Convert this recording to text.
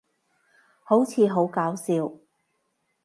好似好搞笑